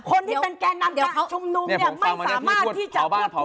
คนที่เป็นแก่นำการชุมนุมไม่สามารถที่จะควบคุมได้